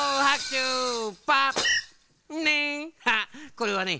これはね